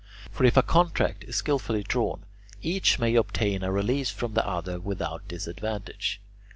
For if a contract is skilfully drawn, each may obtain a release from the other without disadvantage.